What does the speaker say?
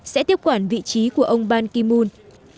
sẽ tiếp quản vị trí của ông ban ki moon